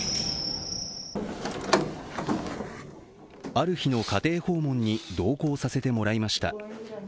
ある日の家庭訪問に同行させてもらいました。